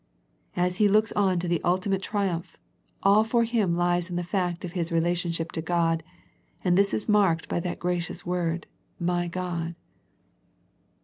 As He looks on to the ultimate triumph, all for Him lies within the fact of His relationship to God, and this is marked by that gracious word " My God."